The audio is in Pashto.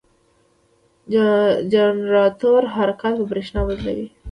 جنراتور حرکت په برېښنا بدلوي.